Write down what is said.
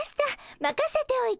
まかせておいて。